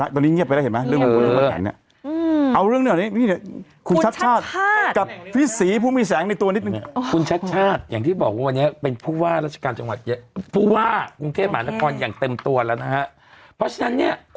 ถูกว่าผู้ชายเองเนี่ยเขาก็ต้องไปดูอืมแล้วยังไงอ่ะ